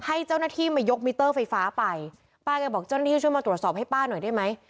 ให้เจ้าหน้าที่มายกมิเตอร์ไฟฟ้าไปป้าแกบอกเจ้าหน้าที่ช่วยมาตรวจสอบให้ป้าหน่อยได้ไหม